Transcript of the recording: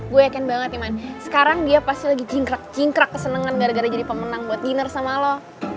gue yakin banget nih man sekarang dia pasti lagi cingkrak kesenengan gara gara jadi pemenang buat dinner sama lo